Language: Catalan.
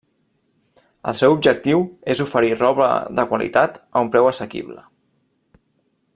El seu objectiu és oferir roba de qualitat a un preu assequible.